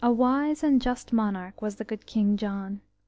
WISE and just monarch was the good King John.